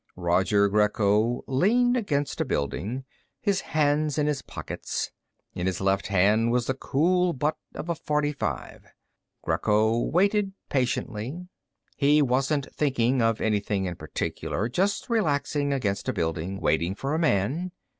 Roger Greco leaned against a building, his hands in his pockets. In his left hand was the cool butt of a .45. Greco waited patiently. He wasn't thinking of anything in particular, just relaxing against a building, waiting for a man.